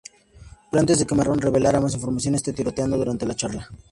Pero antes de que Maroon revelara más información, es tiroteado durante la charla.